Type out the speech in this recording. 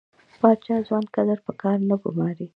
پاچا ځوان کدر په کار نه ګماري .